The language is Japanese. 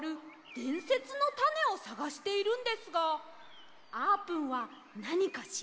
でんせつのタネをさがしているんですがあーぷんはなにかしりませんか？